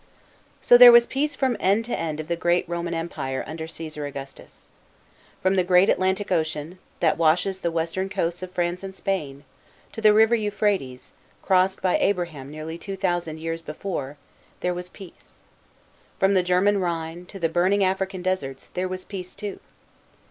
So there was peace from end to end of the great Roman Empire under Ca3sar Augustus. From the great Atlantic Ocean, that washes the western coasts of France and Spain, to the river Euphrates, 'crossed by Abraham nearly two thousand years before, therewas peace. From the German Rhine, to thef burning African deserts, there was peace too.